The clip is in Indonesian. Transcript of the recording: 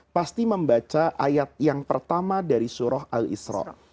pasti membaca ayat yang pertama dari surah al israq